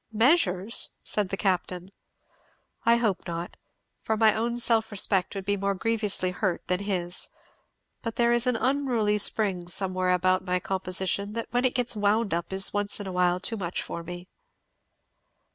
"Measures!" said the Captain. "I hope not! for my own self respect would be more grievously hurt than his. But there is an unruly spring somewhere about my composition that when it gets wound up is once in a while too much for me."